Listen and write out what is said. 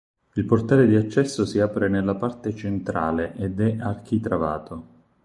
Il portale di accesso si apre nella parte centrale ed è architravato.